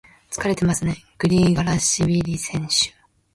疲れてますね、グリガラシビリ選手。